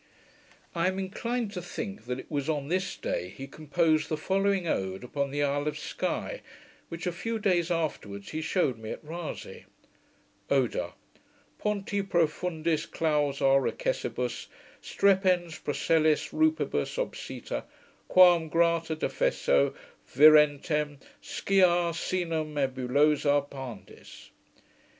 I am inclined to think that it was on this day he composed the following Ode upon the Isle of Sky, which a few days afterwards he shewed me at Raysay: ODA Ponti profundis clausa recessibus, Strepens procellis, rupibus obsita, Quam grata defesso virentem Skia sinum nebulosa pandis.